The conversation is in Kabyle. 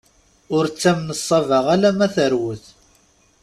Ur ttamen ṣṣaba alamma terwet.